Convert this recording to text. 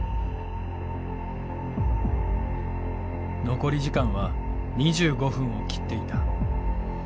残り時間は２５分を切っていた。